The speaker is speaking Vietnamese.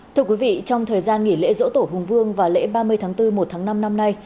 thưa quý vị trong thời gian nghỉ lễ dỗ tổ hùng vương và lễ ba mươi tháng bốn một tháng năm năm nay